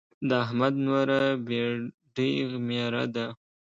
د احمد نوره بېډۍ ميره ده.